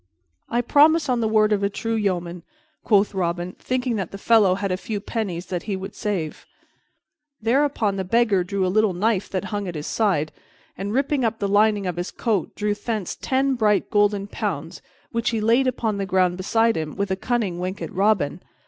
"I promise on the word of a true yeoman," quoth Robin, thinking that the fellow had a few pennies that he would save. Thereupon the Beggar drew a little knife that hung at his side and, ripping up the lining of his coat, drew thence ten bright golden pounds, which he laid upon the ground beside him with a cunning wink at Robin.